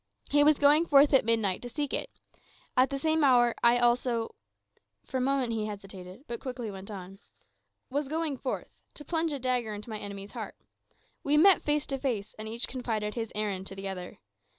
"He was going forth at midnight to seek it. At the same hour I also" (for a moment he hesitated, but quickly went on) "was going forth to plunge a dagger in my enemy's heart. We met face to face; and each confided his errand to the other.